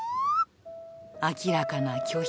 明らかな拒否。